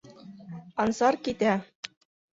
Ансар китә.